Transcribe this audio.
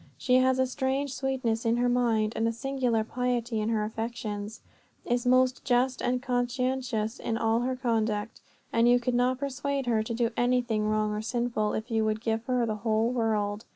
She has a strange sweetness in her mind, and a singular piety in her affections; is most just and conscientious in all her conduct; and you could not persuade her to do anything wrong or sinful, if you would give her the whole world.